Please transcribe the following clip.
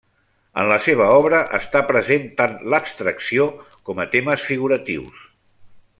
En la seva obra està present tant l'abstracció com a temes figuratius.